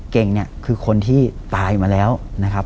เก่งเนี่ยคือคนที่ตายมาแล้วนะครับ